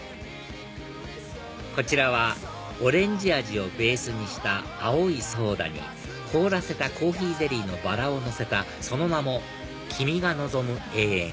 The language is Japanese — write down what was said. こちらはオレンジ味をベースにした青いソーダに凍らせたコーヒーゼリーのバラをのせたその名も「君が望む永遠」